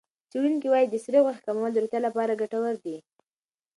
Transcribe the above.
څېړونکي وايي د سرې غوښې کمول د روغتیا لپاره ګټور دي.